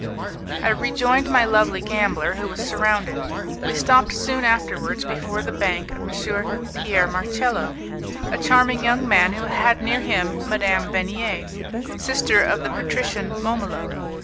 I rejoined my lovely gambler, who was surrounded. We stopped soon afterwards before the bank of M. Pierre Marcello, a charming young man, who had near him Madame Venier, sister of the patrician Momolo.